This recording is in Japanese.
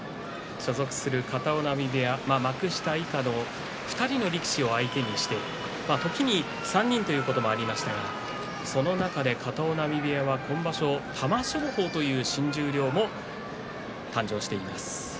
所属する片男波部屋幕下以下の２人の力士を相手にして時に３人ということもありましたが、その中で片男波部屋が今場所は玉正鳳という新十両も誕生しています。